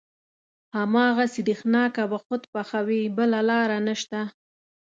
هماغه سرېښناکه به خود پخوې بله لاره نشته.